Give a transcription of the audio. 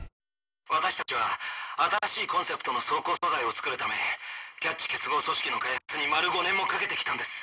私たちは新しいコンセプトの装甲素材を作るためキャッチ結合組織の開発に丸５年もかけてきたんです。